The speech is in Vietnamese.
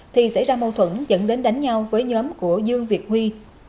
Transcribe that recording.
thì xảy ra mâu thuẫn dẫn đến đánh nhau với nhóm của dương việt huy